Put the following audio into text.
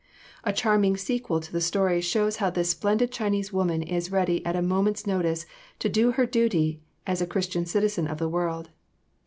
A charming sequel to the story shows how this splendid Chinese woman is ready at a moment's notice to do her duty as a Christian citizen of the world.